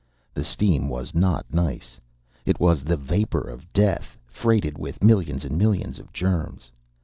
The steam was not nice. It was the vapor of death, freighted with millions and millions of germs.